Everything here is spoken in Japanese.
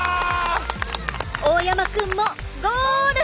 大山くんもゴール！